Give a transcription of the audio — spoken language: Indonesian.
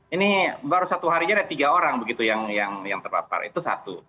ini baru satu hari ini ada tiga orang yang terlapar itu satu